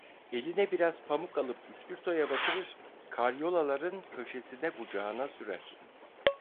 Eline biraz pamuk alıp ispirtoya batırır, karyolaların köşesine bucağına sürer…